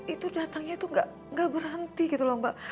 itu datangnya itu gak berhenti gitu mbak